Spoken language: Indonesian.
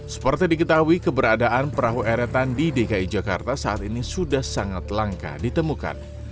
seperti diketahui keberadaan perahu eretan di dki jakarta saat ini sudah sangat langka ditemukan